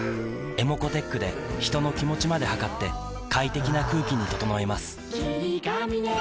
ｅｍｏｃｏーｔｅｃｈで人の気持ちまで測って快適な空気に整えます